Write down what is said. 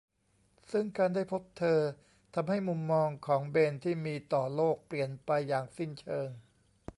ซึ่งการได้พบเธอทำให้มุมมองของเบนที่มีต่อโลกเปลี่ยนไปอย่างสิ้นเชิง